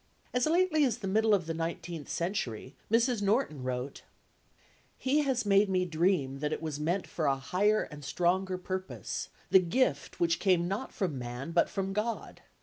As lately as the middle of the nineteenth century, Mrs. Norton wrote:— "He has made me dream that it was meant for a higher and stronger purpose, that gift which came not from man but from God!